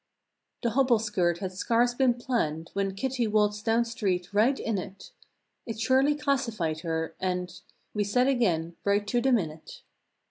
The hobble skirt had scarce been planned When Kitty waltzed down street "right in it." It surely classified her; and We said again—"Right to the minute."